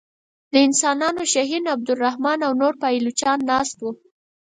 د انسانانو شهین عبدالرحمن او نور پایلوچان ناست وه.